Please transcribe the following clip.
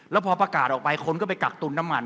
แล้วพอประกาศออกไปคนก็ไปกักตุนน้ำมัน